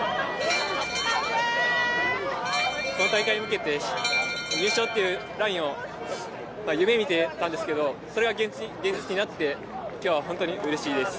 この大会に向けて、入賞というラインを夢みてたんですけどそれが現実になって今日は本当にうれしいです。